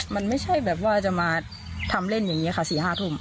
มันไม่ใช่แบบว่าจะมาทำเล่นอย่างนี้ค่ะ๔๕ทุ่ม